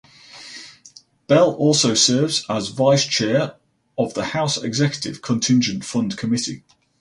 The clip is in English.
Bell also serves as vice chair of the House Executive Contingent Fund Committee.